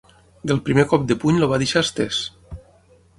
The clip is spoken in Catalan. Del primer cop de puny el va deixar estès.